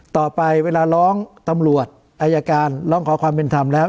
ต่อไปเวลาร้องตำรวจอายการร้องขอความเป็นธรรมแล้ว